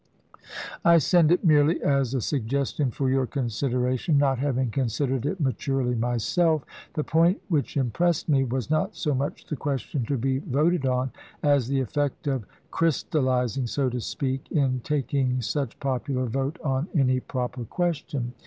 I send it merely as a suggestion for your consid eration, not having considered it maturely myself. The point which impressed me was not so much the questions to be voted on, as the effect of crys talizing, so to speak, in taking such popular vote on any proper question.